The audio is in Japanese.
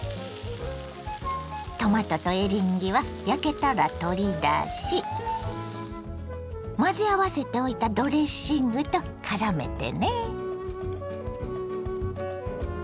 トマトとエリンギは焼けたら取り出し混ぜ合わせておいたドレッシングとからめてね。